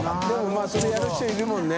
任まぁそれやる人いるもんね。